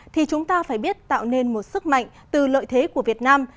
thì chúng ta phải biết tạo nên một sức mạnh từ lợi thế của việt nam